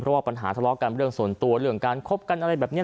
เพราะว่าปัญหาทะเลาะกันเรื่องส่วนตัวเรื่องการคบกันอะไรแบบนี้